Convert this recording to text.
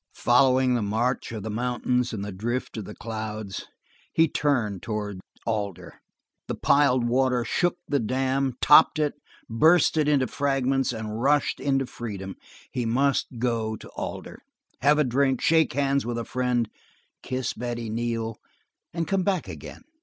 Following the march of the mountains and the drift of the clouds, he turned towards Alder. The piled water shook the dam, topped it, burst it into fragments, and rushed into freedom; he must go to Alder, have a drink, shake hands with a friend, kiss Betty Neal, and come back again.